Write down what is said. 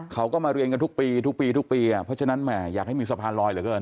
เขาก็มาเรียนกันทุกปีเพราะฉะนั้นอยากให้มีสะพานลอยเหลือเกิน